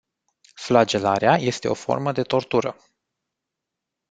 Flagelarea este o formă de tortură.